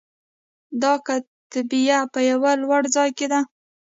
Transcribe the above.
دا کتیبه په یوه لوړ ځای کې ده